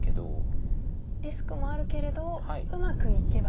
リスクもあるけれどうまくいけばと。